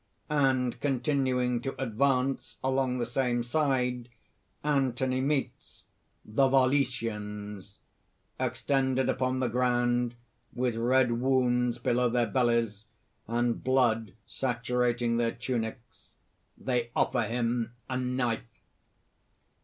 (And continuing to advance along the same side, Anthony meets: ) THE VALESIANS (_extended upon the ground, with red wounds below their bellies, and blood saturating their tunics. They offer him a knife.